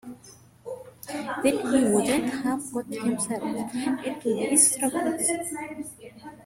Then he wouldn't have got himself into these troubles.